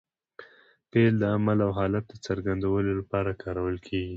فعل د عمل او حالت د څرګندوني له پاره کارول کېږي.